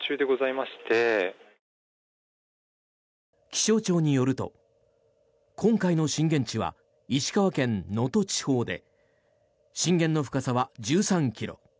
気象庁によると今回の震源地は石川県能登地方で震源の深さは１３ｋｍ。